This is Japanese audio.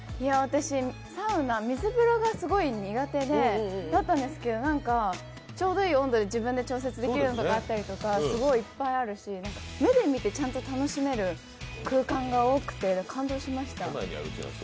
サウナ、水風呂がすごい苦手だったんですけどちょうどいい温度で自分で調節できる所とかすごいいっぱいあるし、湯気を見てちゃんと楽しめる空間が多くて感動しました。